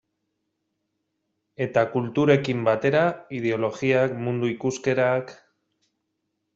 Eta kulturekin batera ideologiak, mundu ikuskerak...